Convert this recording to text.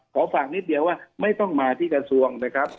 ขอฝากนิดเดียวว่าไม่ต้องมาที่กระทรวงนะครับ